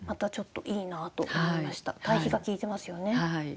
対比が効いてますよね。